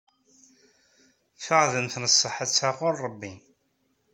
Taɣdemt n ṣṣeḥ atta ɣur Rebbi.